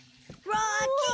ロッキー！